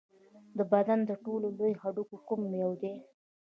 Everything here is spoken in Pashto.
د بدن تر ټولو لوی هډوکی کوم یو دی